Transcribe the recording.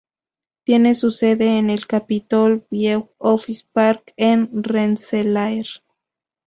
Tiene su sede en el Capitol View Office Park en Rensselaer.